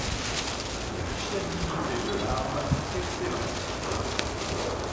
La fiabilité de l'arme est excellente.